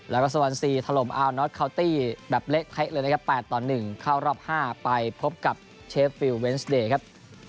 แล้วก็สวรรณซีถล่มอาวนอทคาวตี้แบบเละเทะเลยนะครับ๘ต่อ๑เข้ารอบ๕ไปพบกับเชฟฟิลเวนสเดย์ครับ